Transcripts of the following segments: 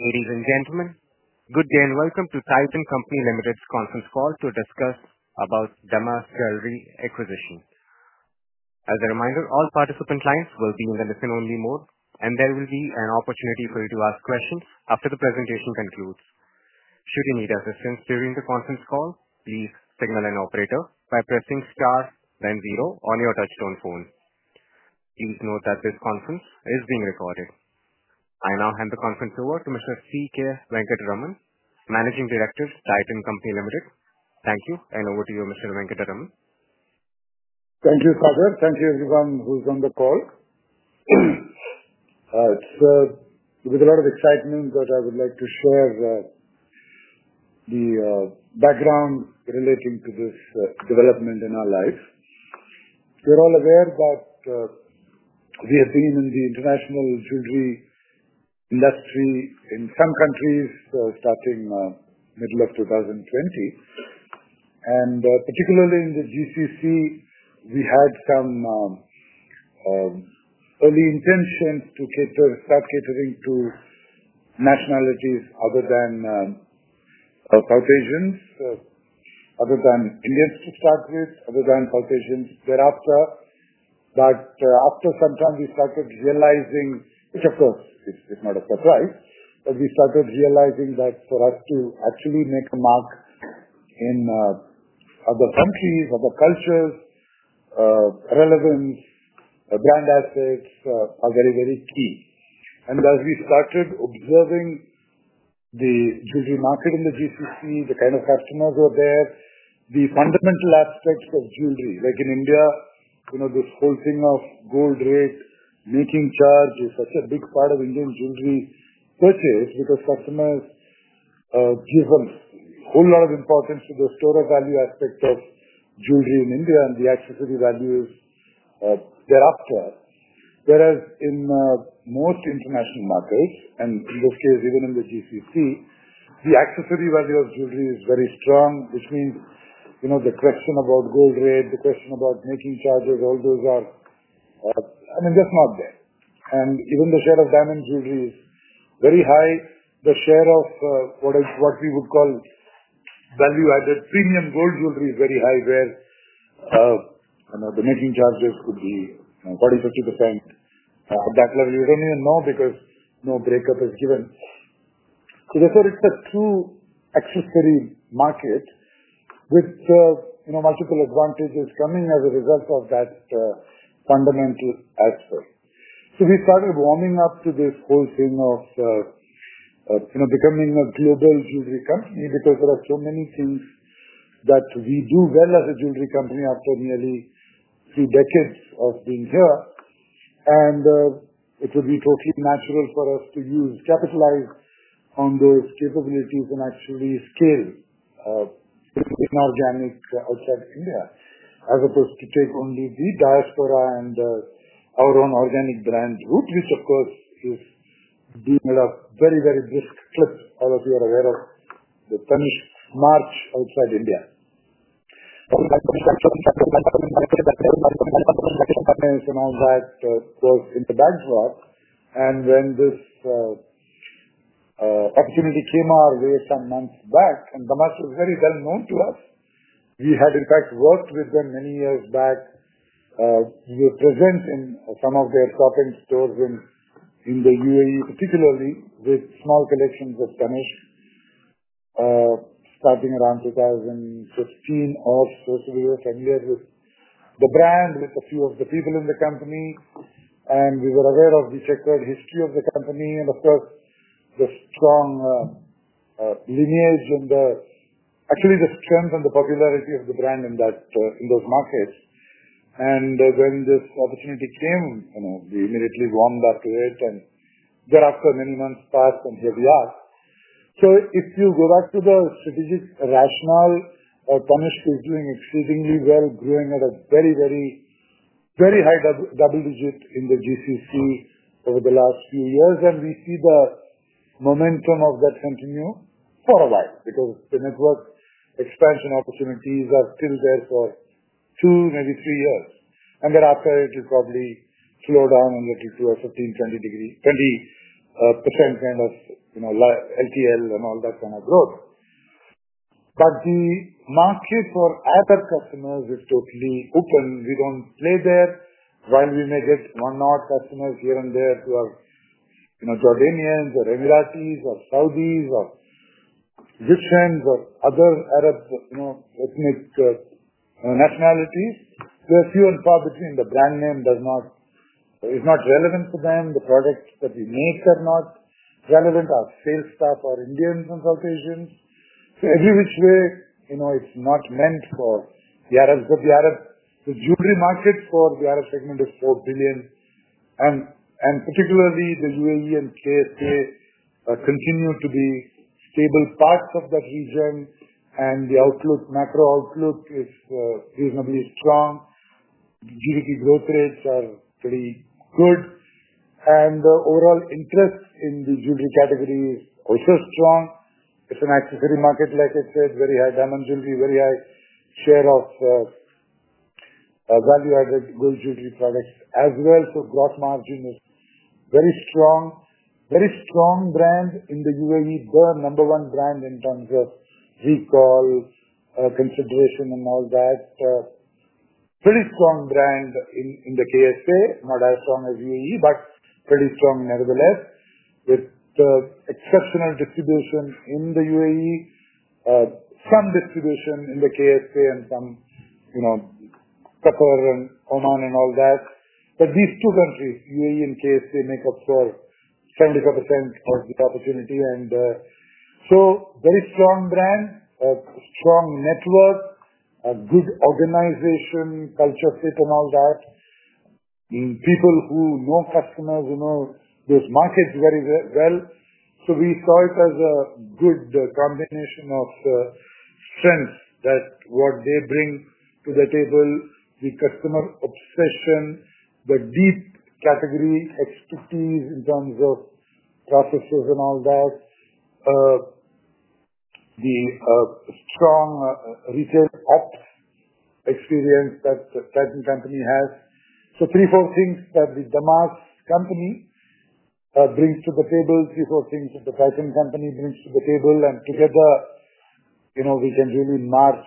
Ladies and gentlemen, good day and welcome to Titan Company Limited's Conference Call to discuss Damas Jewelry acquisition. As a reminder, all participant lines will be in the listen-only mode, and there will be an opportunity for you to ask questions after the presentation concludes. Should you need assistance during the conference call, please signal an operator by pressing star, then zero, on your touch-stone phone. Please note that this conference is being recorded. I now hand the conference over to Mr. C. K. Venkataraman, Managing Director of Titan Company Limited. Thank you, and over to you, Mr. Venkataraman. Thank you, Sagar. Thank you, everyone who's on the call. It's with a lot of excitement that I would like to share the background relating to this development in our life. You're all aware that we have been in the international jewelry industry in some countries starting middle of 2020. Particularly in the GCC, we had some early intentions to start catering to nationalities other than South Asians, other than Indians to start with, other than South Asians thereafter. After some time, we started realizing, which of course, it's not a surprise, but we started realizing that for us to actually make a mark in other countries, other cultures, relevance, brand assets are very, very key. As we started observing the jewelry market in the GCC, the kind of customers were there, the fundamental aspects of jewelry, like in India, this whole thing of gold rate, making charge is such a big part of Indian jewelry purchase because customers give a whole lot of importance to the store-of-value aspect of jewelry in India and the accessory values thereafter. Whereas in most international markets, and in this case, even in the GCC, the accessory value of jewelry is very strong, which means the question about gold rate, the question about making charges, all those are, I mean, just not there. Even the share of diamond jewelry is very high. The share of what we would call value-added premium gold jewelry is very high, where the making charges could be 40%-50%. At that level, you don't even know because no breakup is given. They said it's a true accessory market with multiple advantages coming as a result of that fundamental aspect. We started warming up to this whole thing of becoming a global jewelry company because there are so many things that we do well as a jewelry company after nearly three decades of being here. It would be totally natural for us to capitalize on those capabilities and actually scale inorganic outside India as opposed to take only the diaspora and our own organic brand route, which of course is being at a very, very brisk clip. I don't know if you're aware of the Tamil March outside India. All that was in the backdrop. When this opportunity came our way some months back, and Damas was very well known to us. We had, in fact, worked with them many years back. We were present in some of their shopping stores in the UAE, particularly with small collections of Tanishq. Starting around 2015 or so we were familiar with the brand with a few of the people in the company. We were aware of the checkered history of the company and, of course, the strong lineage and actually the strength and the popularity of the brand in those markets. When this opportunity came, we immediately warmed up to it. Thereafter, many months passed, and here we are. If you go back to the strategic rationale, Tanishq is doing exceedingly well, growing at a very, very high double digit in the GCC over the last few years. We see the momentum of that continue for a while because the network expansion opportunities are still there for two, maybe three years. Thereafter, it will probably slow down a little to a 15%–20% kind of LTL and all that kind of growth. The market for Arab customers is totally open. We do not play there. While we may get one or more customers here and there who are Jordanians or Emiratis or Saudis or Egyptians or other Arab ethnic nationalities, they are few and far between. The brand name is not relevant to them. The products that we make are not relevant. Our sales staff are Indians and South Asians. Every which way, it is not meant for the Arabs. The Arab jewelry market for the Arab segment is $4 billion. Particularly, the UAE and KSA continue to be stable parts of that region. The macro outlook is reasonably strong. GDP growth rates are pretty good. The overall interest in the jewelry category is also strong. It is an accessory market, like I said, very high diamond jewelry, very high share of value-added gold jewelry products as well. Gross margin is very strong. Very strong brand in the UAE, the number one brand in terms of recall, consideration and all that. Pretty strong brand in the KSA, not as strong as UAE, but pretty strong nevertheless, with exceptional distribution in the UAE. Some distribution in the KSA and some in Oman and all that. These two countries, UAE and KSA, make up for 75% of the opportunity. Very strong brand, strong network, good organization, culture fit, and all that. People who know customers, who know those markets very well. We saw it as a good combination of strengths that what they bring to the table, the customer obsession, the deep category expertise in terms of processes and all that, the strong retail ops experience that Titan Company has. Three, four things that the Damas company brings to the table, three, four things that the Titan Company brings to the table. Together, we can really march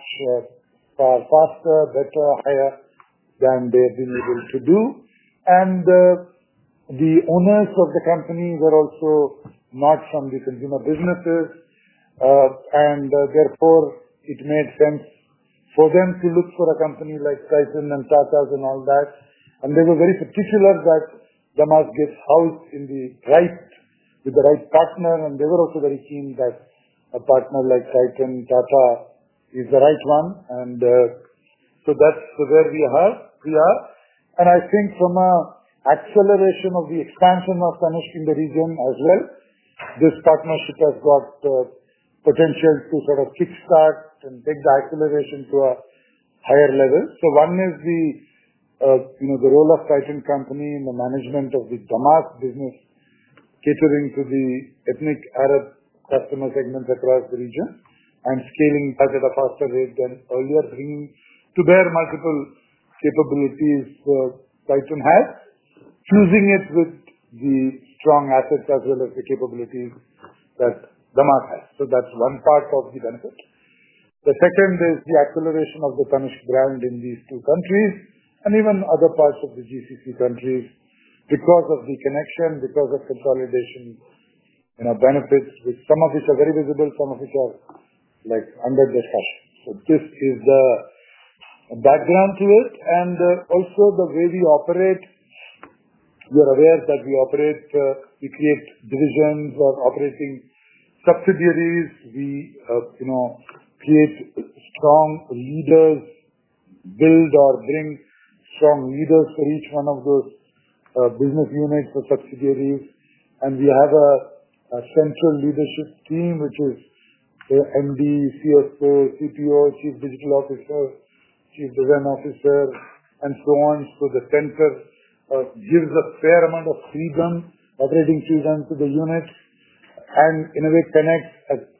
faster, better, higher than they have been able to do. The owners of the company were also not from the consumer businesses. Therefore, it made sense for them to look for a company like Titan and Tata and all that. They were very particular that Damas gets housed with the right partner. They were also very keen that a partner like Titan and Tata is the right one. That is where we are. I think from an acceleration of the expansion of Tanishq in the region as well, this partnership has got potential to sort of kickstart and take the acceleration to a higher level. One is the role of Titan Company in the management of the Damas business, catering to the ethnic Arab customer segments across the region and scaling that at a faster rate than earlier, bringing to bear multiple capabilities Titan has, fusing it with the strong assets as well as the capabilities that Damas has. That is one part of the benefit. The second is the acceleration of the Tanishq brand in these two countries and even other parts of the GCC countries because of the connection, because of consolidation benefits, some of which are very visible, some of which are under discussion. This is the background to it. Also, the way we operate, you are aware that we create divisions or operating subsidiaries. We create strong leaders, build or bring strong leaders for each one of those business units or subsidiaries. We have a central leadership team, which is MD, CSO, CPO, Chief Digital Officer, Chief Design Officer, and so on. The center gives a fair amount of freedom, operating freedom to the units, and in a way connects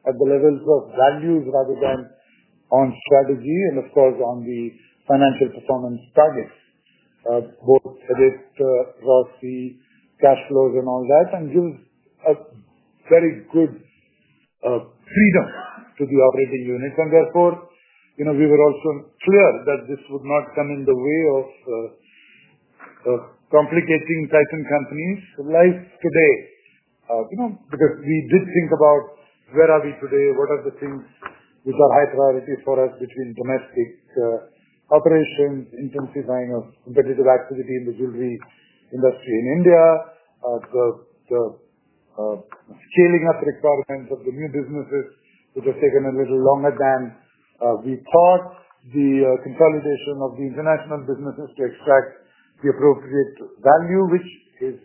at the levels of values rather than on strategy and, of course, on the financial performance targets—both credit, ROSI, cash flows, and all that—and gives a very good freedom to the operating units. Therefore, we were also clear that this would not come in the way of complicating Titan Company's life today. We did think about where are we today, what are the things which are high priorities for us between domestic operations, intensifying of competitive activity in the jewelry industry in India, the scaling-up requirements of the new businesses, which have taken a little longer than we thought, the consolidation of the international businesses to extract the appropriate value, which is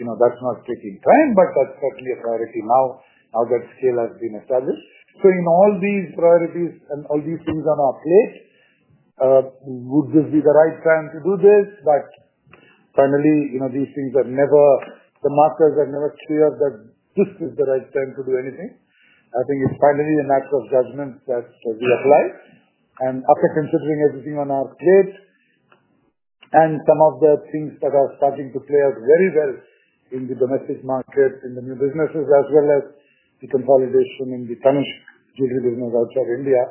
not taking time, but that is certainly a priority now that scale has been established. In all these priorities and all these things on our plate, would this be the right time to do this? Finally, these things have never—the markers have never cleared that this is the right time to do anything. I think it is finally an act of judgment that we apply. After considering everything on our plate and some of the things that are starting to play out very well in the domestic market, in the new businesses, as well as the consolidation in the Tanishq jewelry business outside India,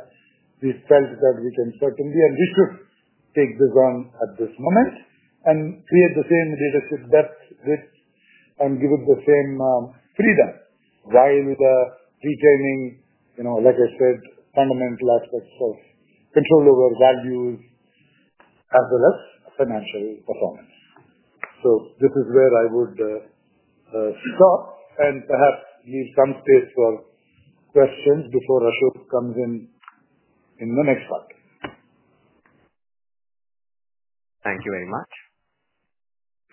we felt that we can certainly—and we should—take this on at this moment and create the same leadership depth, width, and give it the same freedom while retaining, like I said, fundamental aspects of control over values as well as financial performance. This is where I would stop and perhaps leave some space for questions before Ashok comes in. In the next part. Thank you very much.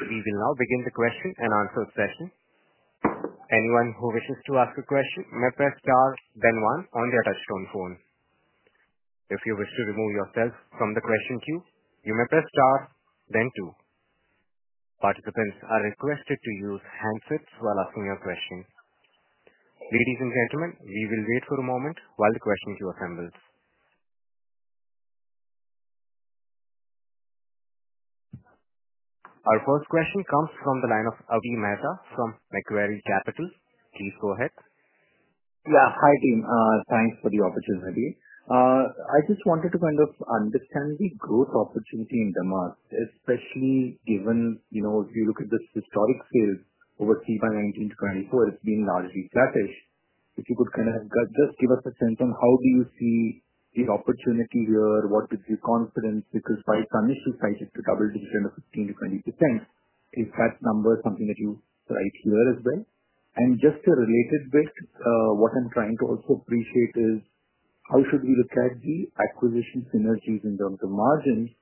We will now begin the question and answer session. Anyone who wishes to ask a question may press star then one on the touch-stone phone. If you wish to remove yourself from the question queue, you may press star then two. Participants are requested to use handsets while asking a question. Ladies and gentlemen, we will wait for a moment while the question queue assembles. Our first question comes from the line of Avi Mehta from Macquarie Capital. Please go ahead. Yeah. Hi, team. Thanks for the opportunity. I just wanted to kind of understand the growth opportunity in Damas, especially given if you look at this historic sale overseas by 2019–2024, it's been largely flattish. If you could kind of just give us a sense on how do you see the opportunity here, what gives you confidence? Because by Tamil, she cited the double digit under 15%-20%. Is that number something that you write here as well? And just a related bit, what I'm trying to also appreciate is how should we look at the acquisition synergies in terms of margins.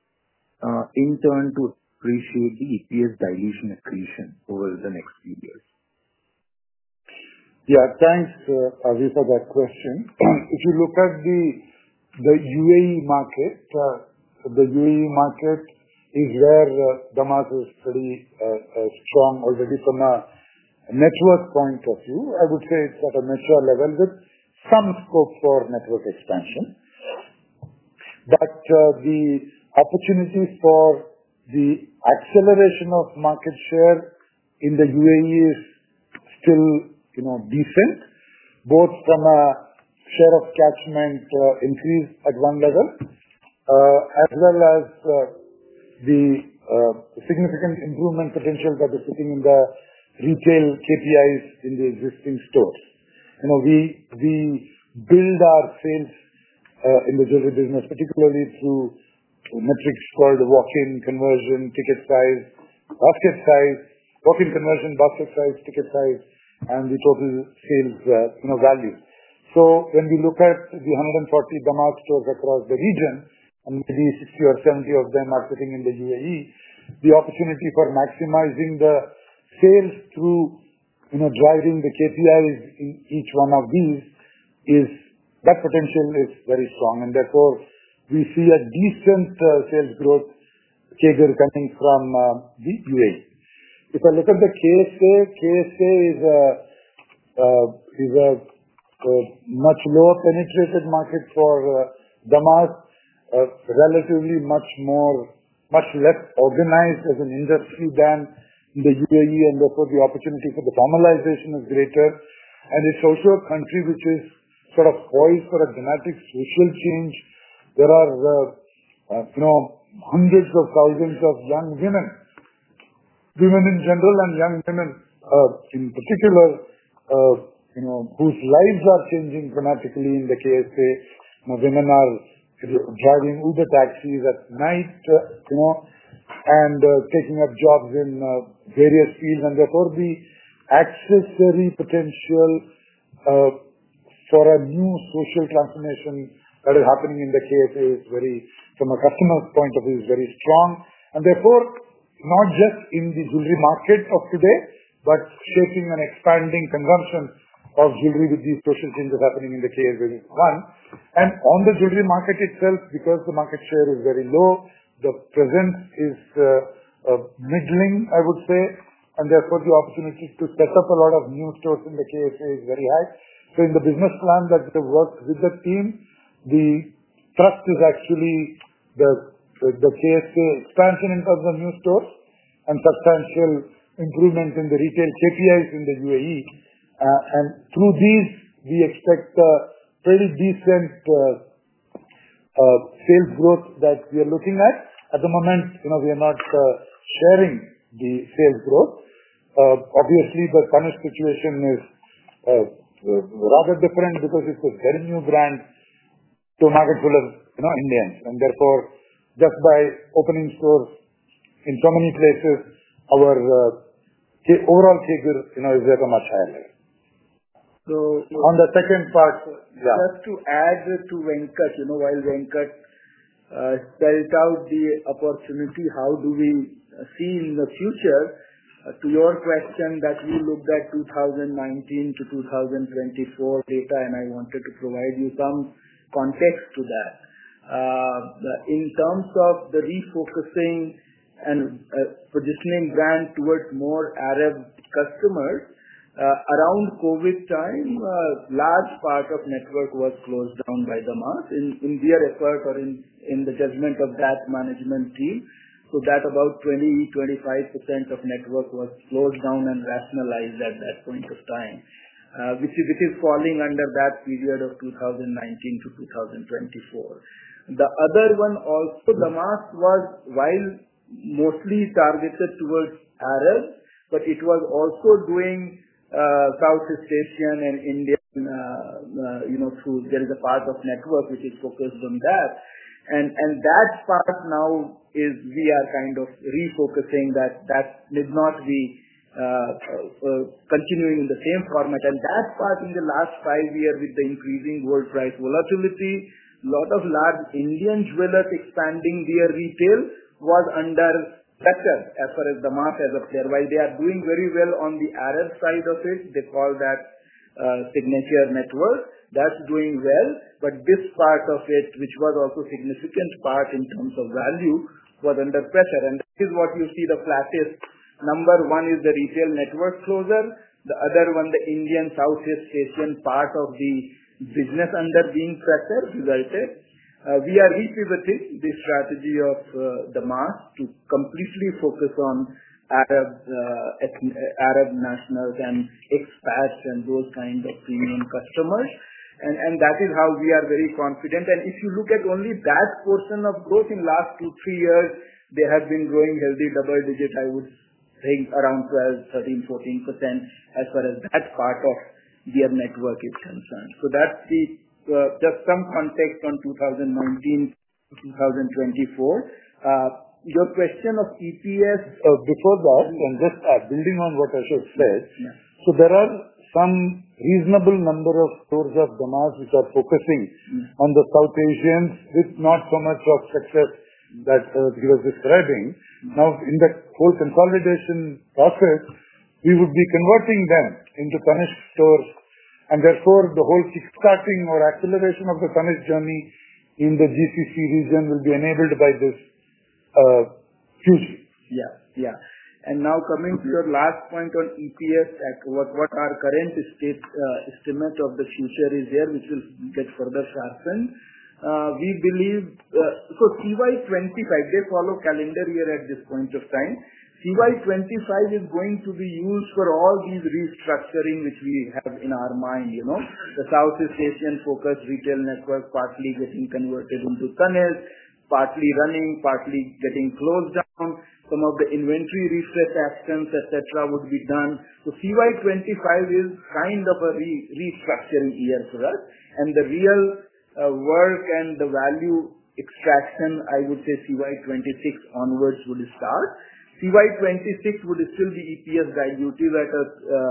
In turn to appreciate the EPS dilution accretion over the next few years? Yeah. Thanks, Avi, for that question. If you look at the UAE market. The UAE market is where Damas is pretty strong already from a network point of view. I would say it's at a mature level with some scope for network expansion. The opportunity for the acceleration of market share in the UAE is still decent, both from a share of catchment increase at one level as well as the significant improvement potential that is sitting in the retail KPIs in the existing stores. We build our sales in the jewelry business, particularly through metrics called walk-in conversion, ticket size, basket size, walk-in conversion, basket size, ticket size, and the total sales value. When we look at the 140 Damas stores across the region and maybe 60 or 70 of them are sitting in the UAE, the opportunity for maximizing the sales through driving the KPIs in each one of these is that potential is very strong. Therefore, we see a decent sales growth CAGR coming from the UAE. If I look at the KSA, KSA is a much lower penetrated market for Damas. Relatively much less organized as an industry than the UAE. Therefore, the opportunity for the formalization is greater. It is also a country which is sort of poised for a dramatic social change. There are hundreds of thousands of young women, women in general and young women in particular, whose lives are changing dramatically in the KSA. Women are driving Uber taxis at night and taking up jobs in various fields. Therefore, the accessory potential for a new social transformation that is happening in the KSA is very—from a customer's point of view—is very strong. Therefore, not just in the jewelry market of today, but shaping and expanding consumption of jewelry with these social changes happening in the KSA is one. On the jewelry market itself, because the market share is very low, the presence is middling, I would say. Therefore, the opportunity to set up a lot of new stores in the KSA is very high. In the business plan that we have worked with the team, the thrust is actually the KSA expansion in terms of new stores and substantial improvement in the retail KPIs in the UAE. Through these, we expect a pretty decent sales growth that we are looking at. At the moment, we are not sharing the sales growth. Obviously, the Tamil situation is rather different because it is a very new brand to a market full of Indians. Therefore, just by opening stores in so many places, our overall CAGR is at a much higher level. On the second part, Just to add to Venkat, while Venkat spelled out the opportunity, how do we see in the future? To your question that you looked at 2019–2024 data, I wanted to provide you some context to that. In terms of the refocusing and positioning brand towards more Arab customers, around COVID time, a large part of network was closed down by Damas, in their effort or in the judgment of that management team. About 20-25% of network was closed down and rationalized at that point of time, which is falling under that period of 2019–2024. The other one also, Damas was while mostly targeted towards Arabs, but it was also doing South East Asian and Indian. There is a part of network which is focused on that. That part now is we are kind of refocusing that that did not be continuing in the same format. That part in the last five years with the increasing world price volatility, a lot of large Indian jewelers expanding their retail was under pressure as far as Damas has appeared. While they are doing very well on the Arab side of it, they call that signature network, that is doing well. This part of it, which was also a significant part in terms of value, was under pressure. This is what you see, the flattest. Number one is the retail network closure. The other one, the Indian South East Asian part of the business under being pressure resulted. We are reaching with it, the strategy of Damas to completely focus on Arab nationals and expats and those kind of premium customers. That is how we are very confident. If you look at only that portion of growth in the last two, three years, they have been growing healthy, double digit, I would think around 12%-14% as far as that part of their network is concerned. So that's just some context on 2019–2024. Your question of EPS Before that, and just building on what Ashok said, there are some reasonable number of stores of Damas which are focusing on the South Asians with not so much of success that you were describing. Now, in the whole consolidation process, we would be converting them into Tamil stores. Therefore, the whole kickstarting or acceleration of the Tanishq journey in the GCC region will be enabled by this. Fusion. Yeah. Yeah. Now coming to your last point on EPS, what our current estimate of the future is here, which will get further sharpened. We believe CY 2025, they follow calendar year at this point of time. CY 2025 is going to be used for all these restructuring which we have in our mind. The South East Asian focused retail network partly getting converted into Tamil, partly running, partly getting closed down. Some of the inventory refresh actions, etc., would be done. CY 2025 is kind of a restructuring year for us. The real work and the value extraction, I would say CY 2026 onwards would start. CY 2026 would still be EPS-diluted at a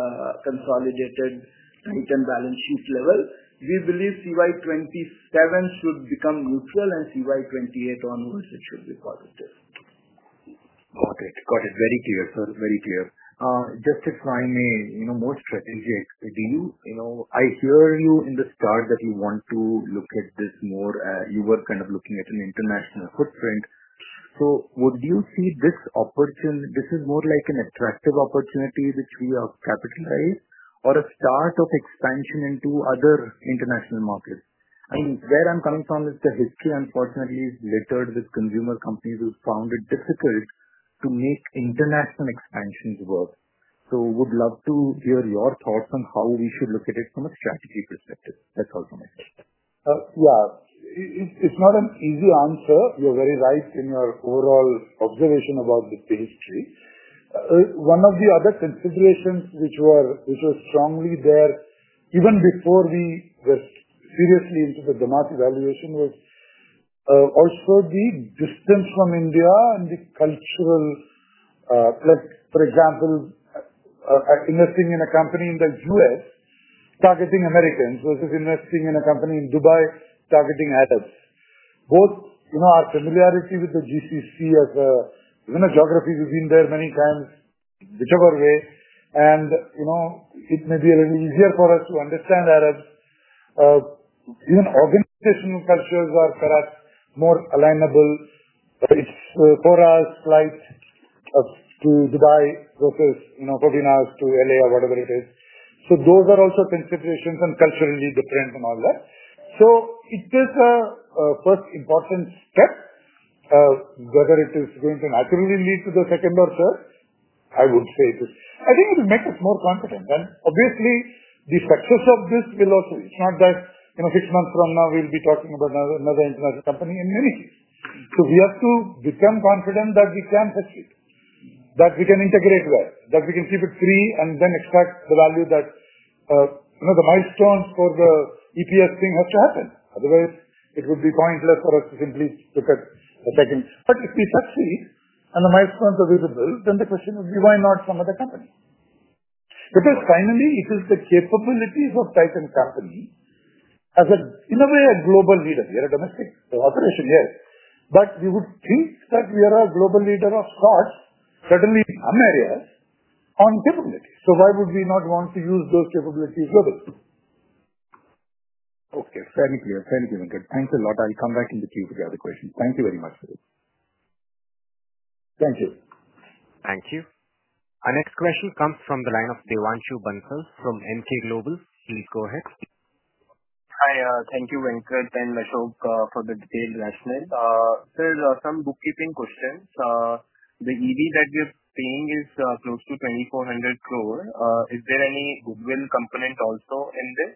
consolidated Titan balance sheet level. We believe CY 2027 should become neutral, and CY 2028 onwards, it should be positive. Got it. Got it. Very clear, sir. Very clear. Just to explain me more strategic, do you, I hear you in the start that you want to look at this more, you were kind of looking at an international footprint. Would you see this opportunity, this is more like an attractive opportunity which we are capitalizing or a start of expansion into other international markets? I mean, where I'm coming from is the history, unfortunately, is littered with consumer companies who found it difficult to make international expansions work. Would love to hear your thoughts on how we should look at it from a strategy perspective. That's all from me. Yeah. It's not an easy answer. You're very right in your overall observation about the history. One of the other considerations which was strongly there even before we got seriously into the Damas evaluation was also the distance from India and the cultural. For example, investing in a company in the U.S. targeting Americans versus investing in a company in Dubai targeting Arabs. Both our familiarity with the GCC as a geography, we've been there many times, whichever way. It may be a little easier for us to understand Arabs. Even organizational cultures are perhaps more alignable. It's four hours flight to Dubai versus 14 hours to LA or whatever it is. Those are also considerations and culturally different and all that. It is a first important step. Whether it is going to naturally lead to the second or third, I would say it is. I think it will make us more confident. Obviously, the success of this will also, it's not that six months from now, we'll be talking about another international company in any case. We have to become confident that we can succeed, that we can integrate well, that we can keep it free and then extract the value. The milestones for the EPS thing have to happen. Otherwise, it would be pointless for us to simply look at the second. If we succeed and the milestones are visible, then the question would be, why not some other company? Because finally, it is the capabilities of Titan Company. In a way, a global leader here, a domestic operation here. We would think that we are a global leader of sorts, certainly in some areas, on capability. Why would we not want to use those capabilities globally? Okay. Very clear. Very clear, Venkat. Thanks a lot. I'll come back in the queue with the other questions. Thank you very much for this. Thank you. Thank you. Our next question comes from the line of Devanshu Bansal from Emkay Global. Please go ahead. Hi. Thank you, Venkat and Ashok, for the detailed rationale. Sir, there are some bookkeeping questions. The EV that we are paying is close to 2,400 crore. Is there any goodwill component also in this?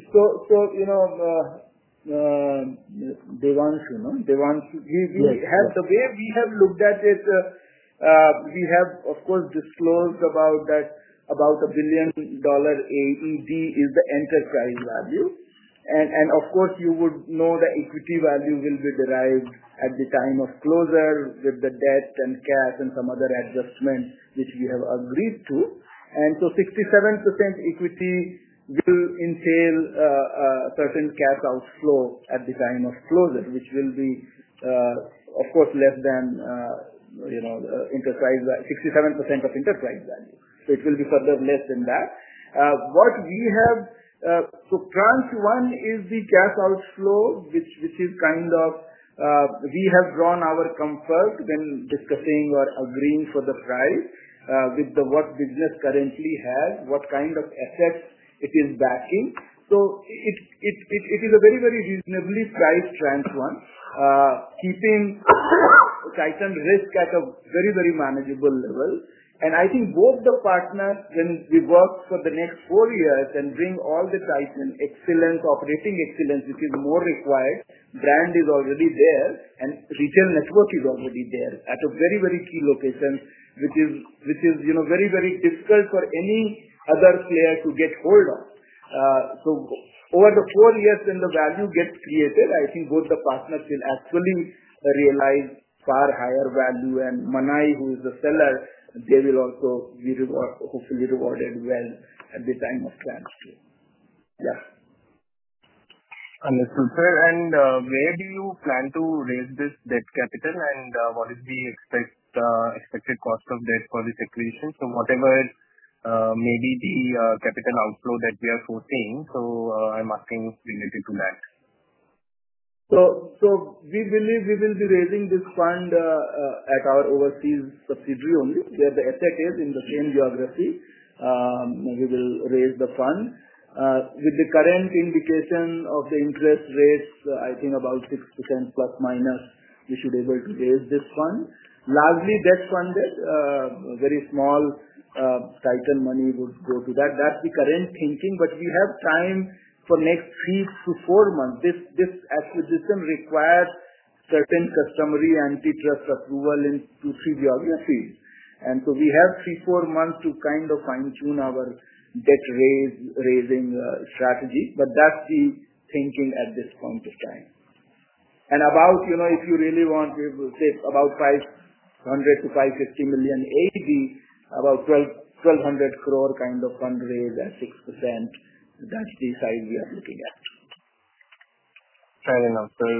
Devanshu, no? Devanshu, the way we have looked at it, we have, of course, disclosed about AED 1 billion is the enterprise value. You would know the equity value will be derived at the time of closure with the debt and cash and some other adjustment which we have agreed to. 67% equity will entail a certain cash outflow at the time of closure, which will be, of course, less than 67% of enterprise value. It will be further less than that. Tranche One is the cash outflow, which is kind of, we have drawn our comfort when discussing or agreeing for the price with what business currently has, what kind of assets it is backing. It is a very, very reasonably priced tranch one, keeping Titan risk at a very, very manageable level. I think both the partners, when we work for the next four years and bring all the Titan excellence, operating excellence, which is more required, brand is already there and retail network is already there at a very, very key location, which is very, very difficult for any other player to get hold of. Over the four years when the value gets created, I think both the partners will actually realize far higher value. Manai, who is the seller, they will also be hopefully rewarded well at the time of Tranche Two. Yeah. Understood, sir. Where do you plan to raise this debt capital? What is the expected cost of debt for this acquisition? Whatever. May be the capital outflow that we are foreseeing. I'm asking related to that. We believe we will be raising this fund at our overseas subsidiary only, where the asset is in the same geography. We will raise the fund. With the current indication of the interest rates, I think about 6% plus minus, we should be able to raise this fund. Largely debt funded, very small. Titan money would go to that. That's the current thinking. We have time for next three to four months. This acquisition requires certain customary antitrust approval in two or three geographies. We have three-four months to kind of fine-tune our debt raising strategy. That's the thinking at this point of time. If you really want to say about 500 million-550 million, about ₹1,200 crore kind of fund raise at 6%, that's the size we are looking at. Fair enough, sir.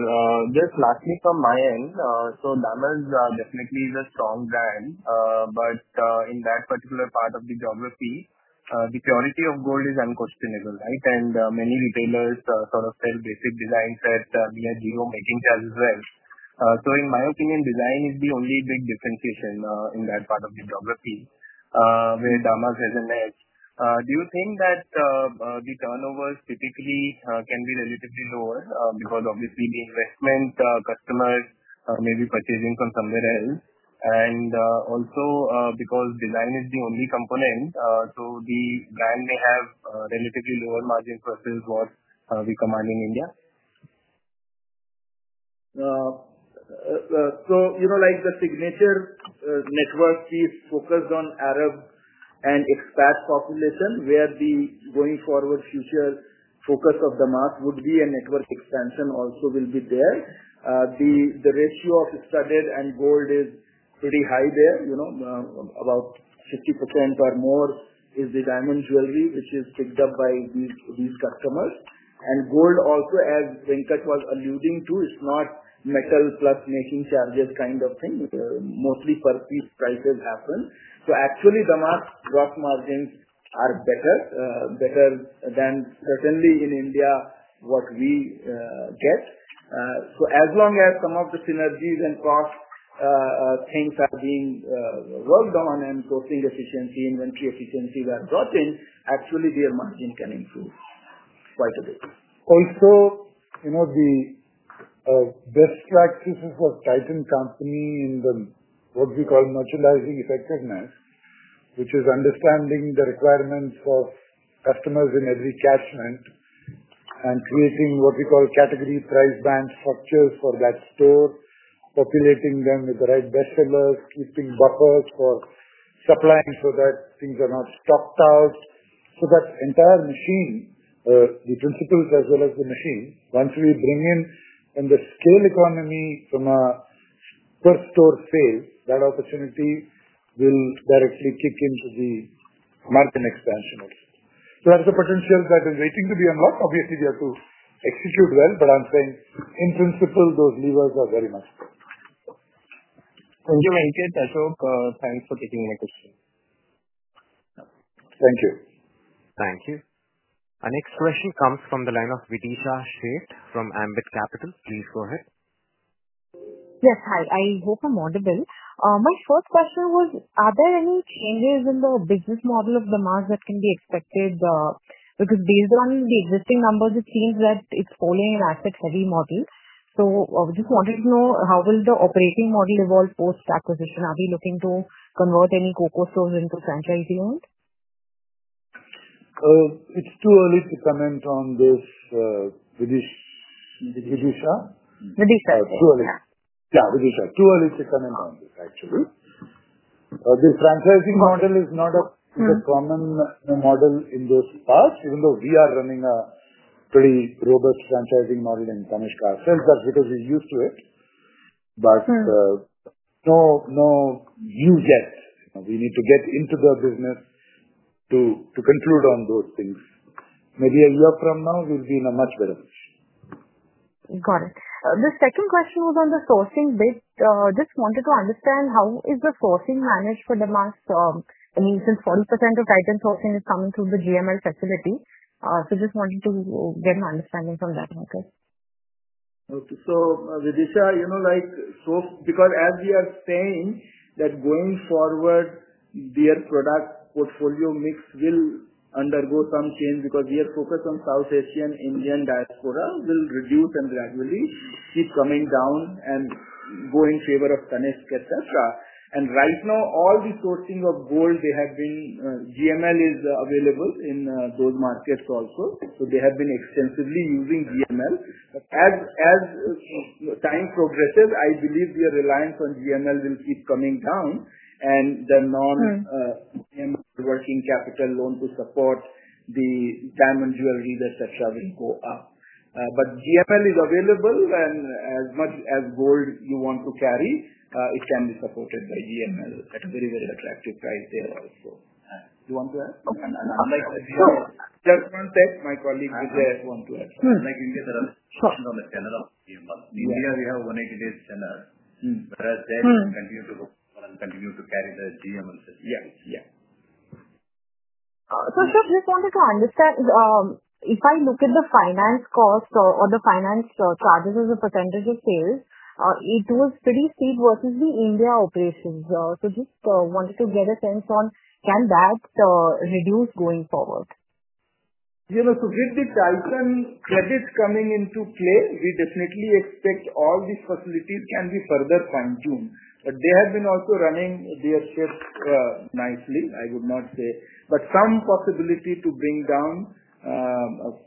Just lastly from my end. Damas definitely is a strong brand. In that particular part of the geography, the purity of gold is unquestionable, right? Many retailers sort of sell basic design set via gold making cash as well. In my opinion, design is the only big differentiation in that part of the geography, where Damas has an edge. Do you think that the turnovers typically can be relatively lower? Because obviously, the investment customers may be purchasing from somewhere else. Also, because design is the only component, the brand may have relatively lower margins versus what we command in India? The signature network, we focused on Arab and expat population where the going forward future focus of Damas would be a network expansion also will be there. The ratio of studded and gold is pretty high there. About 50% or more is the diamond jewelry, which is picked up by these customers. Gold also, as Venkat was alluding to, it's not metal plus making charges kind of thing. Mostly per-piece prices happen. Actually, Damas' gross margins are better. Better than certainly in India what we get. As long as some of the synergies and cost things are being worked on and sourcing efficiency, inventory efficiencies are brought in, actually their margin can improve quite a bit. Also. The best practices of Titan Company in what we call merchandising effectiveness, which is understanding the requirements of customers in every catchment, and creating what we call category price band structures for that store, populating them with the right bestsellers, keeping buffers for supplying so that things are not stocked out. That entire machine, the principles as well as the machine, once we bring in and the scale economy from a superstore sale, that opportunity will directly kick into the margin expansion also. That's the potential that is waiting to be unlocked. Obviously, we have to execute well, but I'm saying in principle, those levers are very much there. Thank you, Venkat. Ashok, thanks for taking my question. Thank you. Thank you. Our next question comes from the line of Videesha Sheth from Ambit Capital. Please go ahead. Yes, hi. I hope I'm audible. My first question was, are there any changes in the business model of Damas that can be expected? Because based on the existing numbers, it seems that it is following an asset-heavy model. I just wanted to know, how will the operating model evolve post-acquisition? Are we looking to convert any COCO stores into franchisee-owned? It is too early to comment on this, Videesha. Videesha, yeah. Yeah, Videesha. Too early to comment on this, actually. The franchising model is not a common model in those parts, even though we are running a pretty robust franchising model in Tanishq as well. That is because we are used to it. No view yet. We need to get into the business to conclude on those things. Maybe a year from now, we will be in a much better position. Got it. The second question was on the sourcing bit. Just wanted to understand how is the sourcing managed for Damas? I mean, since 40% of Titan sourcing is coming through the GML facility. Just wanted to get an understanding from that market. Okay. Videesha, because as we are saying that going forward, their product portfolio mix will undergo some change because we are focused on South Asian Indian diaspora, will reduce and gradually keep coming down and go in favor of Tanishq, etc. Right now, all the sourcing of gold, they have been, GML is available in those markets also. They have been extensively using GML. As time progresses, I believe their reliance on GML will keep coming down. The non-working capital loan to support the diamond jewelry, etc., will go up. GML is available, and as much as gold you want to carry, it can be supported by GML at a very, very attractive price there also. You want to add? Just one sec. My colleague is there and wants to add something. I would like to make a question on the seller of GML. In India, we have a 180-day seller, whereas there we continue to go forward and continue to carry the GML system. Yeah. Yeah. Ashok, just wanted to understand. If I look at the finance cost or the finance charges as a percentage of sales, it was pretty steep versus the India operations. Just wanted to get a sense on, can that reduce going forward? With the Titan credits coming into play, we definitely expect all these facilities can be further fine-tuned. They have been also running their ships nicely. I would not say, but some possibility to bring down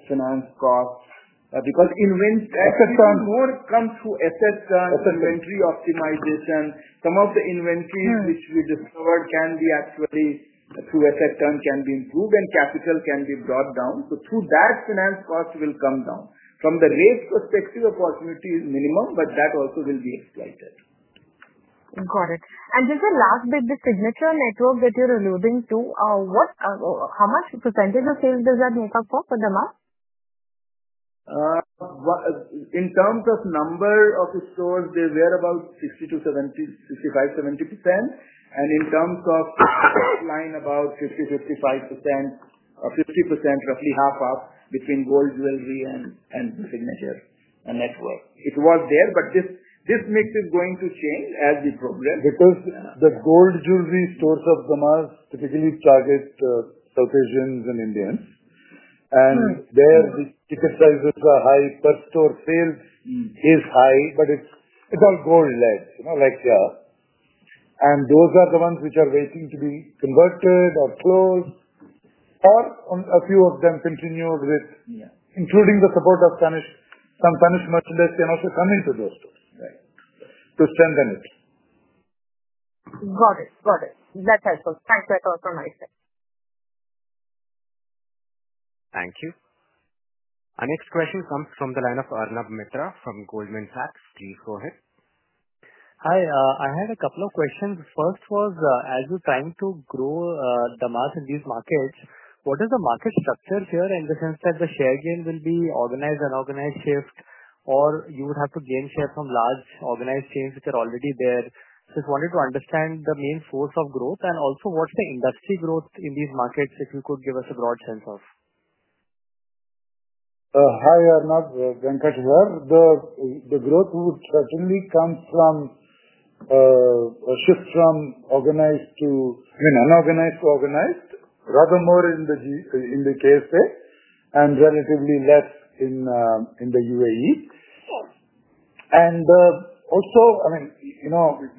finance costs because inventory more comes through asset turn, inventory optimization. Some of the inventories which we discovered can be actually through asset turn can be improved and capital can be brought down. Through that, finance costs will come down. From the rate perspective, opportunity is minimum, but that also will be exploited. Got it. Just a last bit, the signature network that you're alluding to, how much percentage of sales does that make up for Damas? In terms of number of stores, they were about 60-70, 65-70%. In terms of top line, about 50%–55%. 50%, roughly half up between gold jewelry and signature network. It was there, but this mix is going to change as we progress. Because the gold jewelry stores of Damas typically target South Asians and Indians. There, the ticket sizes are high. Per-store sales is high, but it's all gold-led. Those are the ones which are waiting to be converted or closed, or a few of them continue with including the support of Tanishq. Some Tanishq merchandise can also come into those stores to strengthen it. Got it. Got it. That helps. Thanks, Ashok, on my side. Thank you. Our next question comes from the line of Arnab Mitra from Goldman Sachs. Please go ahead. Hi. I had a couple of questions. First was, as you're trying to grow Damas in these markets, what is the market structure here in the sense that the share gain will be organized and organized shift, or you would have to gain share from large organized chains which are already there? Just wanted to understand the main source of growth and also what's the industry growth in these markets, if you could give us a broad sense of? Hi, Arnab. Venkat here. The growth would certainly come from a shift from unorganized to organized, rather more in the KSA and relatively less in the UAE. Also, I mean,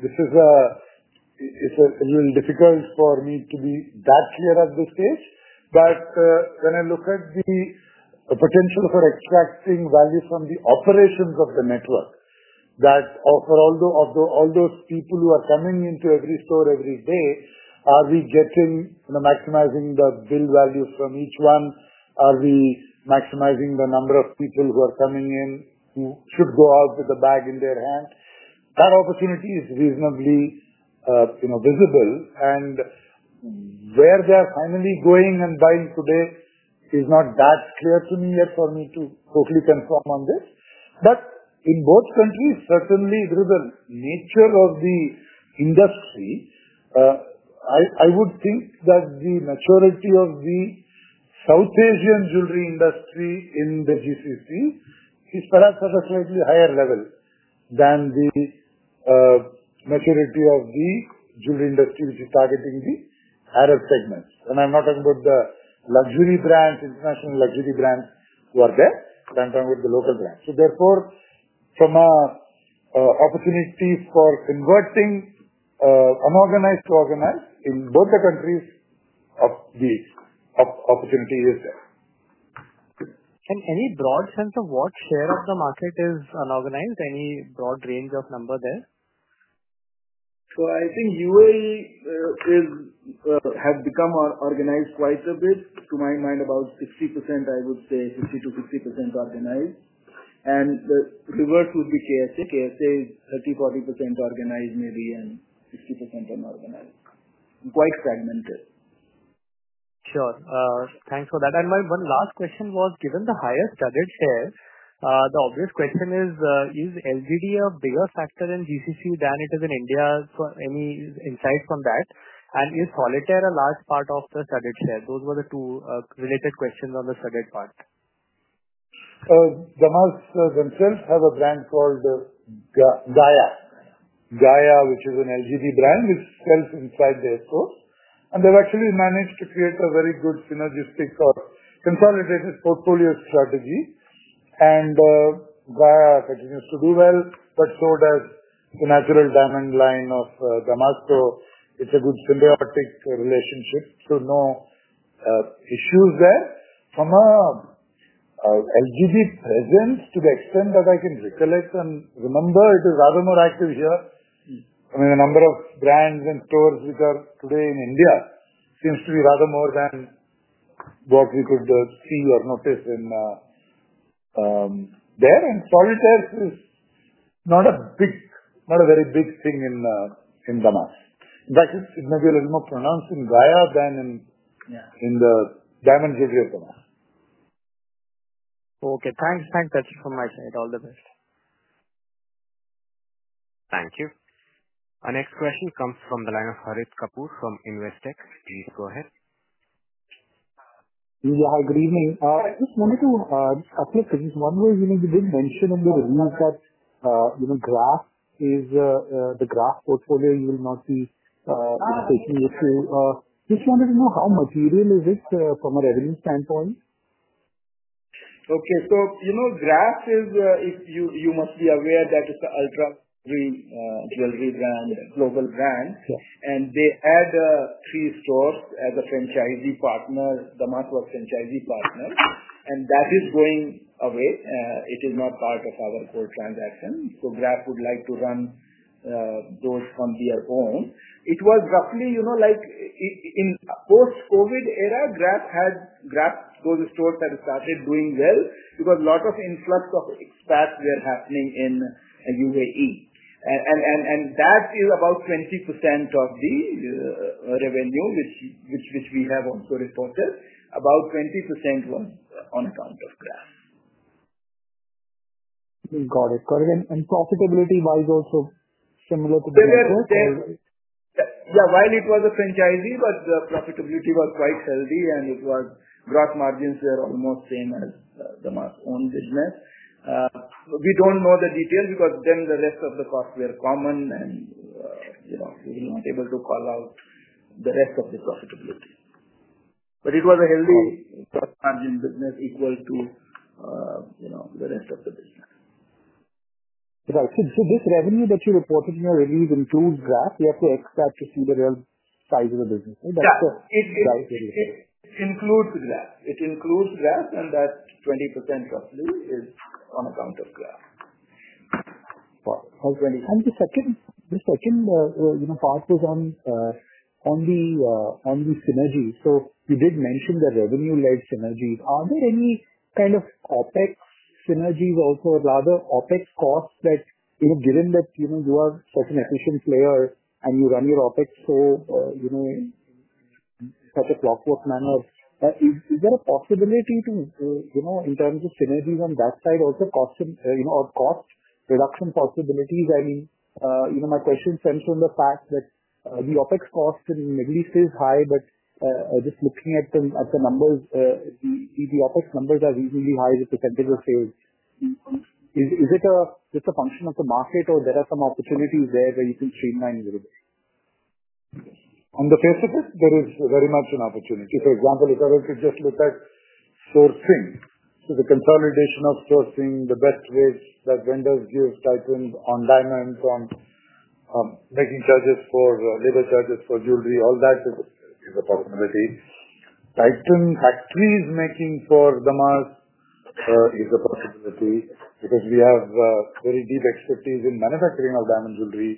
this is a little difficult for me to be that clear at this stage. When I look at the potential for extracting value from the operations of the network, that offer all those people who are coming into every store every day, are we maximizing the build value from each one? Are we maximizing the number of people who are coming in who should go out with a bag in their hand? That opportunity is reasonably visible. Where they are finally going and buying today is not that clear to me yet for me to totally confirm on this. In both countries, certainly, there is a nature of the industry. I would think that the maturity of the South Asian jewelry industry in the GCC is perhaps at a slightly higher level than the maturity of the jewelry industry which is targeting the Arab segments. I'm not talking about the luxury brands, international luxury brands who are there. I'm talking about the local brands. Therefore, from an opportunity for converting unorganized to organized in both the countries, the opportunity is there. Any broad sense of what share of the market is unorganized? Any broad range of number there? I think UAE has become organized quite a bit. To my mind, about 60%, I would say 60%-65% organized. The reverse would be GCC. GCC is 30%-40% organized maybe and 60% unorganized. Quite fragmented. Sure. Thanks for that. My one last question was, given the higher studded share, the obvious question is, is LGD a bigger factor in GCC than it is in India? Any insight on that? And is solitaire a large part of the studded share? Those were the two related questions on the studded part. Damas themselves have a brand called Gaia. Gaia, which is an LGD brand, which sells inside their stores. They have actually managed to create a very good synergistic or consolidated portfolio strategy. Gaia continues to do well, but so does the natural diamond line of Damas. It is a good symbiotic relationship. No issues there. From an LGD presence, to the extent that I can recollect and remember, it is rather more active here. I mean, the number of brands and stores which are today in India seems to be rather more than what we could see or notice there. Solitaire is not a very big thing in Damas. In fact, it may be a little more pronounced in Gaia than in the diamond jewelry of Damas. Okay. Thanks. Thanks, Ashok, from my side. All the best. Thank you. Our next question comes from the line of Harit Kapoor from Investech. Please go ahead. Yeah. Hi. Good evening. I just wanted to ask a couple of things. One was, you did mention over the recent GRAFF, is the Graff portfolio, you will not be taking issue. Just wanted to know, how material is it from a revenue standpoint? Okay. GRAFF is, you must be aware that it is an ultra-luxury jewelry brand, global brand. They had three stores as a franchisee partner, Damas was a franchisee partner. That is going away. It is not part of our core transaction. GRAFF would like to run those from their own. It was roughly, in the post-COVID era, GRAFF stores started doing well because a lot of influx of expats were happening in UAE. That is about 20% of the revenue, which we have also reported. About 20% was on account of GRAFF. Got it. Got it. Profitability-wise also similar to Damas? Yeah. While it was a franchisee, the profitability was quite healthy, and gross margins were almost same as Damas' own business. We do not know the details because then the rest of the costs were common, and we were not able to call out the rest of the profitability. It was a healthy gross margin business equal to the rest of the business. Right. This revenue that you reported in your release includes GRAFF, you have to expect to see the real size of the business, right? Yeah. It includes GRAAF. It includes GRAFF, and that 20% roughly is on account of GRAFF. The second part was on the synergies. You did mention the revenue-led synergies. Are there any kind of OpEx synergies also, rather OpEx costs that, given that you are such an efficient player and you run your OpEx in such a clockwork manner, is there a possibility to, in terms of synergies on that side also, cost reduction possibilities? I mean, my question stems from the fact that the OpEx cost in Middle East is high, but just looking at the numbers, the OpEx numbers are reasonably high, the percentage of sales. Is it a function of the market, or are there some opportunities there where you can streamline a little bit? On the face of it, there is very much an opportunity. For example, if I were to just look at sourcing, so the consolidation of sourcing, the best ways that vendors give Titan on diamonds, on making charges for labor charges for jewelry, all that is a possibility. Titan factories making for Damas is a possibility because we have very deep expertise in manufacturing of diamond jewelry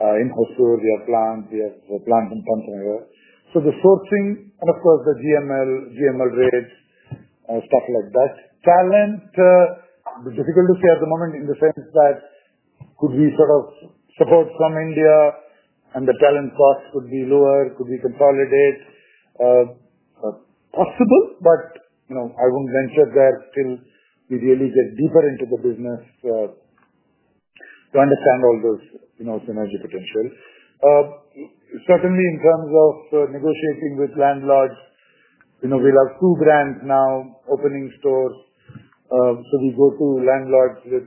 in Hosur. We have plants. We have plants in Tanishq, etc. So the sourcing, and of course, the GML rates, stuff like that. Talent, difficult to say at the moment in the sense that could we sort of support from India, and the talent costs could be lower, could we consolidate? Possible, but I will not venture there till we really get deeper into the business to understand all those synergy potentials. Certainly, in terms of negotiating with landlords, we will have two brands now opening stores. We go to landlords with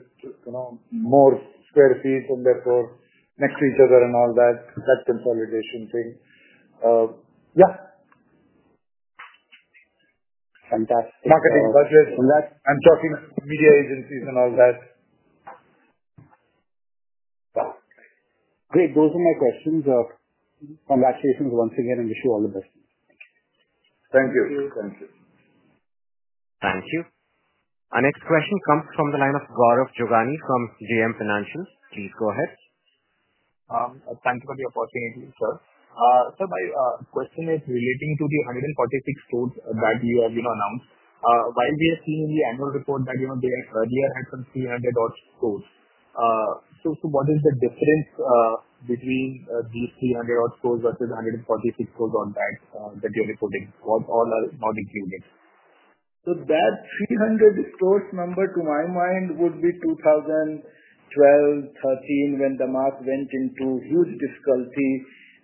more square feet and therefore next to each other and all that, that consolidation thing. Yeah.Marketing budgets. I am talking media agencies and all that. Great. Those are my questions. Congratulations once again, and wish you all the best. Thank you. Thank you. Thank you. Our next question comes from the line of Gaurav Jogani from JM Financials. Please go ahead. Thank you for the opportunity, sir. Sir, my question is relating to the 146 stores that you have announced. While we have seen in the annual report that they earlier had some 300-odd stores. What is the difference between these 300-odd stores versus 146 stores that you are reporting? What all are not included? That 300-store number, to my mind, would be 2012, 2013, when Damas went into huge difficulty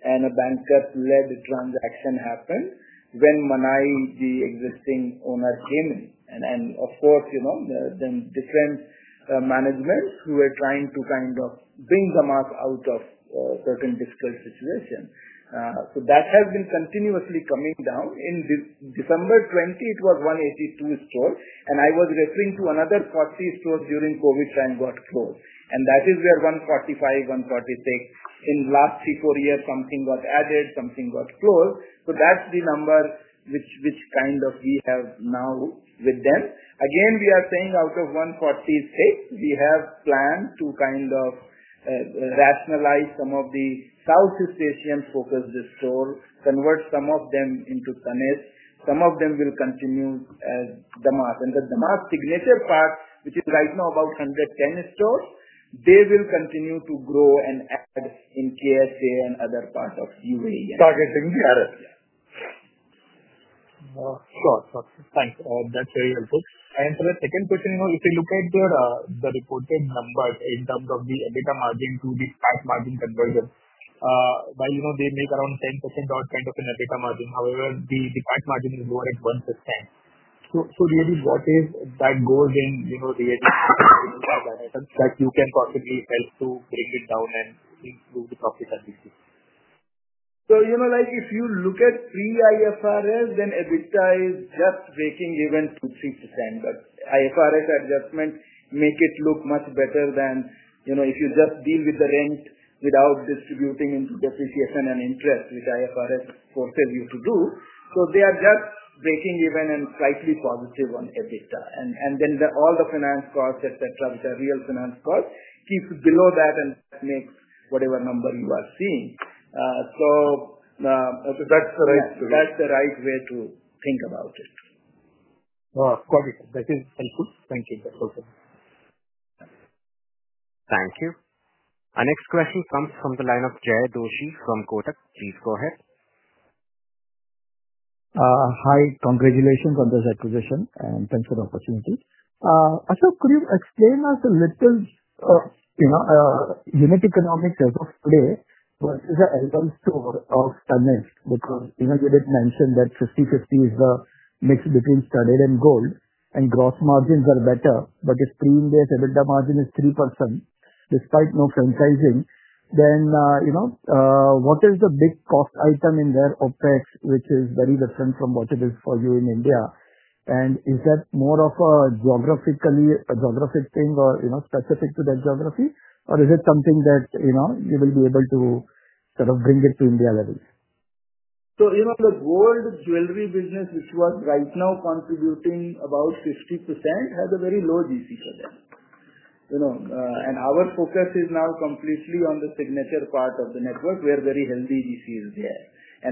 and a bankrupt-led transaction happened when Manai, the existing owner, came in. Of course, the different management who were trying to kind of bring Damas out of a certain difficult situation. That has been continuously coming down. In December 2020, it was 182 stores. I was referring to another 40 stores during COVID time got closed. That is where 145, 146, in the last three, four years, something got added, something got closed. That is the number which kind of we have now with them. Again, we are saying out of 146, we have planned to kind of rationalize some of the Southeast Asian-focused stores, convert some of them into Tanishq. Some of them will continue as Damas. The Damas signature part, which is right now about 110 stores, they will continue to grow and add in KSA and other parts of UAE. Targeting the Arabs. Sure. Thanks. That is very helpful. For the second question, if we look at the reported numbers in terms of the EBITDA margin to the PAT margin conversion, while they make around 10% odd kind of an EBITDA margin, however, the PAT margin is lower at 1%. What is that goal then related to the financials that you can possibly help to bring it down and improve the profitability? If you look at pre-IFRS, then EBITDA is just breaking even, 2%-3%. IFRS adjustment makes it look much better than if you just deal with the rent without distributing into depreciation and interest, which IFRS forces you to do. They are just breaking even and slightly positive on EBITDA. All the finance costs, etc., which are real finance costs, keep below that, and that makes whatever number you are seeing. That is the right way to think about it. Got it. That is helpful. Thank you. That is helpful. Thank you. Our next question comes from the line of Jay Doshi from Kotak. Please go ahead. Hi. Congratulations on this acquisition, and thanks for the opportunity. Ashok, could you explain to us a little unit economics as of today versus an advanced store of Tanishq? Because you did mention that 50/50 is the mix between studded and gold, and gross margins are better. If pre-index EBITDA margin is 3% despite no franchising, then what is the big cost item in their OpEx, which is very different from what it is for you in India? Is that more of a geographic thing or specific to that geography, or is it something that you will be able to sort of bring it to India levels? The gold jewelry business, which was right now contributing about 50%, has a very low gross contribution for them. Our focus is now completely on the signature part of the network where very healthy gross contribution is there.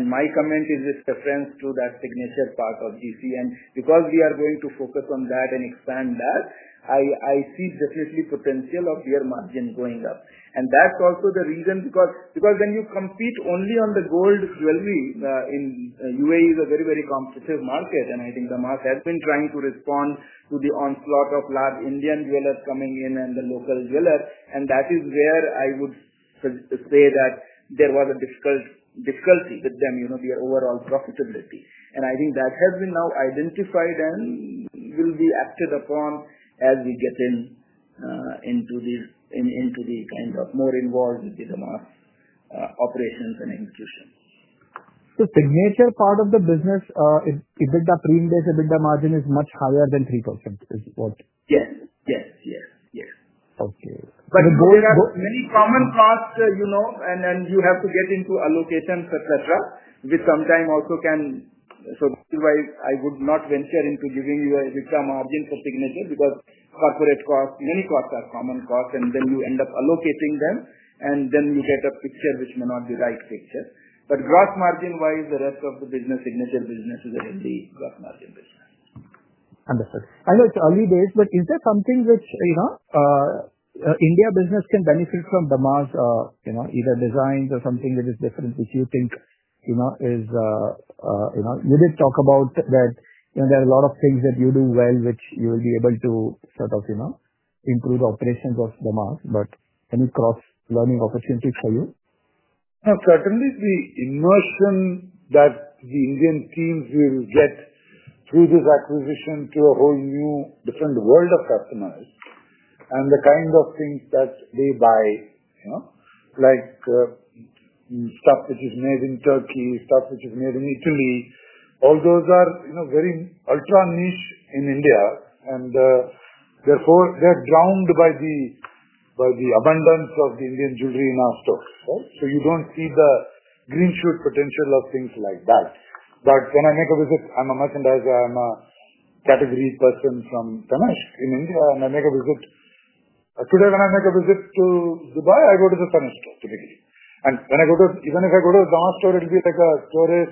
My comment is with reference to that signature part of gross contribution. Because we are going to focus on that and expand that, I see definitely potential of their margin going up. That is also the reason because when you compete only on the gold jewelry, UAE is a very, very competitive market. I think Damas has been trying to respond to the onslaught of large Indian jewelers coming in and the local jewelers. That is where I would say that there was a difficulty with them, their overall profitability. I think that has been now identified and will be acted upon as we get more involved with the Damas operations and execution. The signature part of the business, EBITDA pre-index EBITDA margin is much higher than 3%, is what? Yes. Yes. Yes. Yes. Okay. There are many common costs, and you have to get into allocations, etc., which sometimes also can. This is why I would not venture into giving you an EBITDA margin for signature because corporate costs, many costs are common costs, and then you end up allocating them, and then you get a picture which may not be the right picture. Gross margin-wise, the rest of the business, signature business is a healthy gross margin business. Understood. I know it's early days, but is there something which India business can benefit from Damas' either designs or something that is different which you think is. You did talk about that there are a lot of things that you do well which you will be able to sort of improve the operations of Damas. Any cross-learning opportunities for you? Certainly, the immersion that the Indian teams will get through this acquisition to a whole new, different world of customers and the kind of things that they buy. Like, stuff which is made in Turkey, stuff which is made in Italy. All those are very ultra-niche in India, and therefore they're drowned by the abundance of the Indian jewelry in our stores. You do not see the green shoot potential of things like that. When I make a visit, I'm a merchandiser. I'm a category person from Tanishq in India, and I make a visit. Today, when I make a visit to Dubai, I go to the Tanishq store typically. When I go to, even if I go to a Damas store, it'll be like a story.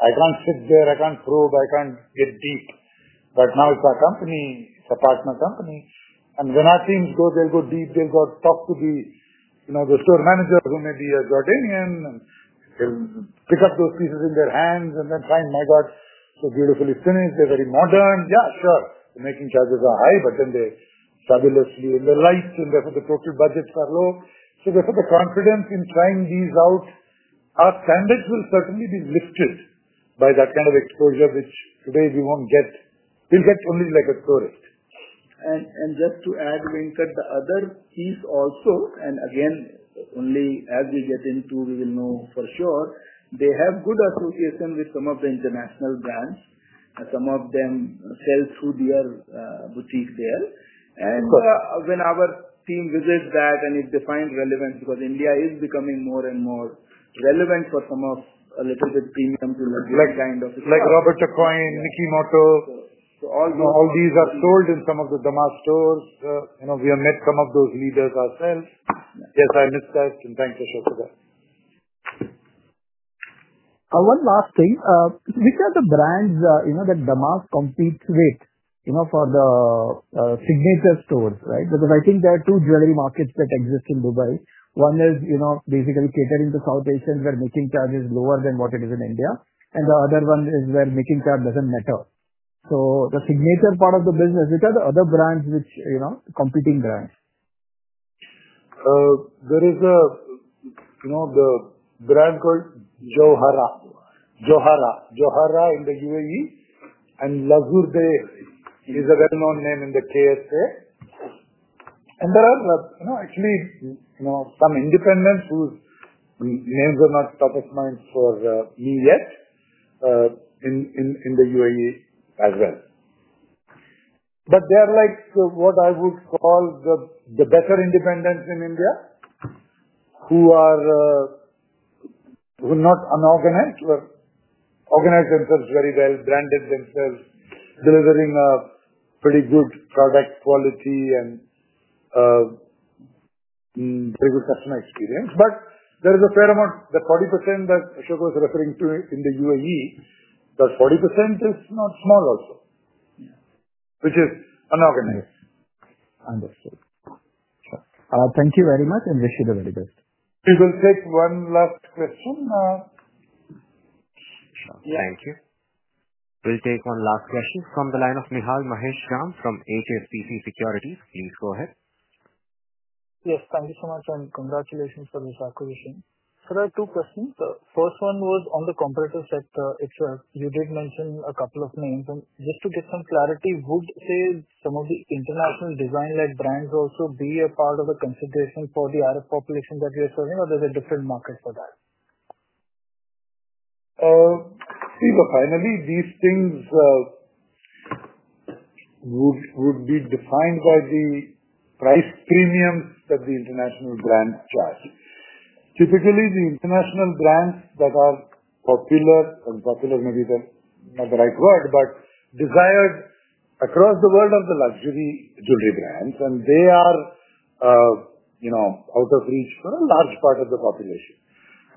I can't sit there. I can't probe. I can't get deep. Now it's a company, it's a partner company. When our teams go, they'll go deep. They'll go talk to the store manager who may be a Jordanian, and they'll pick up those pieces in their hands and then find, "My God, so beautifully finished. They're very modern." Yeah, sure. The making charges are high, but then they fabulously and they're light, and therefore the total budgets are low. Therefore the confidence in trying these out. Our standards will certainly be lifted by that kind of exposure, which today we won't get. We'll get only like a tourist. Just to add, Venkat, the other piece also, and again, only as we get into, we will know for sure, they have good association with some of the international brands. Some of them sell through their boutique there. When our team visits that and it defined relevance because India is becoming more and more relevant for some of a little bit premium to luxury kind of. Like Roberto Coin, Mikimoto. All these are sold in some of the Damas stores. We have met some of those leaders ourselves. Yes, I missed that, and thanks, Ashok, for that. One last thing. Which are the brands that Damas competes with for the signature stores, right? I think there are two jewelry markets that exist in Dubai. One is basically catering to South Asians where making charges is lower than what it is in India. The other one is where making charge does not matter. The signature part of the business, which are the other brands, which competing there? There is a brand called Jawhara. Jawhara in the UAE, and L’azurde is a well-known name in the KSA. There are actually some independents whose names are not top of mind for me yet in the UAE as well. They are like what I would call the better independents in India who are not unorganized or organize themselves very well, branded themselves, delivering a pretty good product quality and very good customer experience. There is a fair amount, the 40% that Ashok was referring to in the UAE, that 40% is not small also, which is unorganized. Understood. Sure. Thank you very much, and wish you the very best. We will take one last question. Thank you. We'll take one last question from the line of Nihal Mahesh Jham from HSBC Securities. Please go ahead. Yes. Thank you so much, and congratulations for this acquisition. Sir, I have two questions. The first one was on the competitor sector. You did mention a couple of names. Just to get some clarity, would you say some of the international design-led brands also be a part of the consideration for the Arab population that you're serving, or there's a different market for that? See, finally, these things would be defined by the price premiums that the international brands charge. Typically, the international brands that are popular, and popular maybe is not the right word, but desired across the world are the luxury jewelry brands, and they are out of reach for a large part of the population.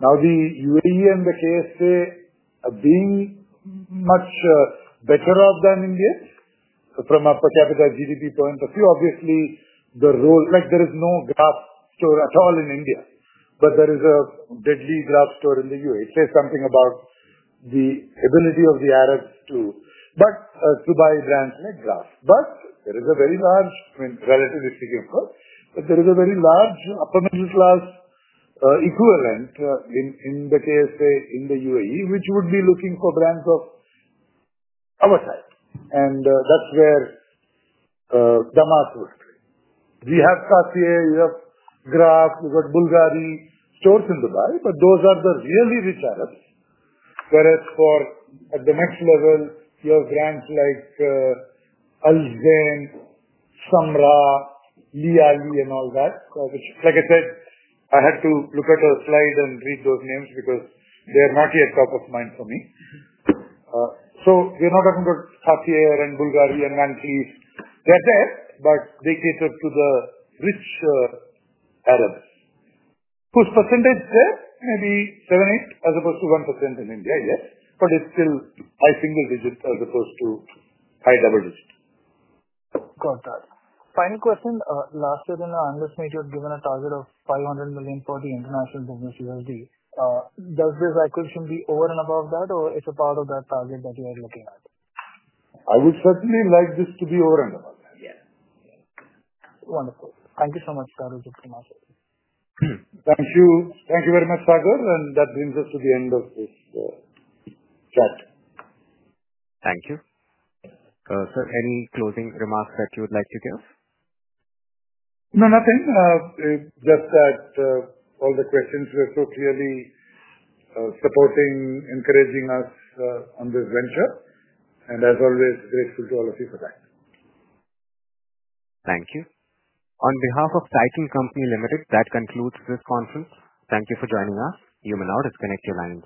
Now, the UAE and the KSA are being much better off than India. From a per capita GDP point of view, obviously, the role there is no Graff store at all in India, but there is a dedicated Graff store in the UAE. It says something about the ability of the Arabs to buy brands like Graff. There is a very large, I mean, relatively speaking, of course, but there is a very large upper-middle-class equivalent in the KSA and the UAE, which would be looking for brands of our type. That is where Damas would play. We have Cartier, we have Graff, we've got Bulgari stores in Dubai, but those are the really rich Arabs. Whereas at the next level, you have brands like AlZayn, Samra, Liali, and all that. Like I said, I had to look at a slide and read those names because they are not yet top of mind for me. We are not talking about Cartier and Bulgari and Montblanc. They are there, but they cater to the rich Arabs, whose percentage is there, maybe 7%, 8%, as opposed to 1% in India, yes. It is still high single digit as opposed to high double digit. Got that. Final question. Last year in our analyst meet, you had given a target of $500 million for the international business USD. Does this acquisition be over and above that, or is it a part of that target that you are looking at? I would certainly like this to be over and above that. Yes. Wonderful. Thank you so much, Sagar Jyotnam. Thank you. Thank you very much, Sagar. That brings us to the end of this chat. Thank you. Sir, any closing remarks that you would like to give? No, nothing. Just that all the questions were so clearly supporting, encouraging us on this venture. As always, grateful to all of you for that. Thank you. On behalf of Titan Company Limited, that concludes this conference. Thank you for joining us. You may now disconnect your lines.